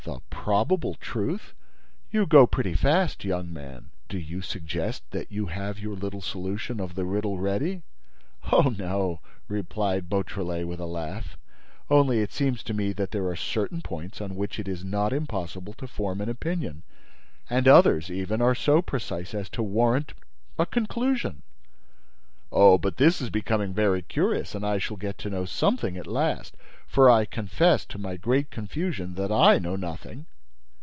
"The probable truth! You go pretty fast, young man! Do you suggest that you have your little solution of the riddle ready?" "Oh, no!" replied Beautrelet, with a laugh. "Only—it seems to me that there are certain points on which it is not impossible to form an opinion; and others, even, are so precise as to warrant—a conclusion." "Oh, but this is becoming very curious and I shall get to know something at last! For I confess, to my great confusion, that I know nothing."